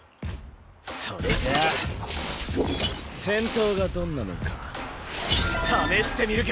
それじゃあ戦闘がどんなもんか試してみるか！